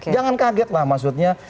jangan kaget lah maksudnya